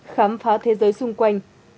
khám phá thế giới xung quanh